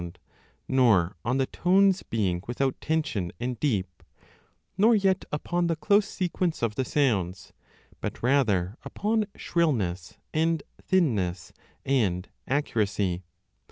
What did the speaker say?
D 2 8o 4 a DE AUDIBTLIBUS nor on the tones being without tension and deep, nor yet upon the close sequence of the sounds, but rather upon shrillness and thinness and accuracy.